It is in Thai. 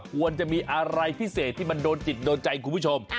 ควรจะมีอะไรพิเศษที่มันโดนจิตโดนใจคุณผู้ชม